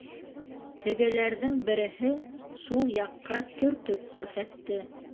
Тегеләрҙең береһе шул яҡҡа төртөп күрһәтте.